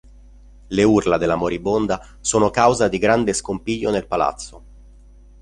Le urla della moribonda sono causa di grande scompiglio nel palazzo.